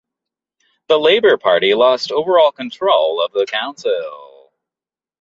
The Labour party lost overall control of the council.